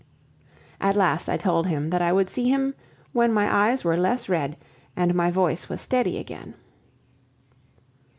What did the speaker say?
At last I told him that I would see him when my eyes were less red and my voice was steady again.